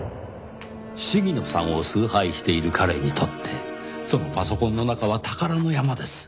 鴫野さんを崇拝している彼にとってそのパソコンの中は宝の山です。